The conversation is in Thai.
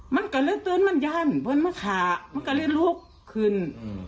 มันก็เลยเตือนมันยันเพื่อนมะขามันก็เลยลุกขึ้น